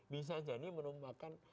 bisa jadi merupakan